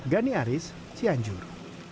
gani aris cianjur